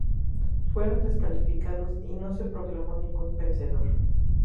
Fueron descalificados y no se proclamó ningún vencedor.